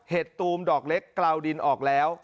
ตูมดอกเล็กกลาวดินออกแล้ว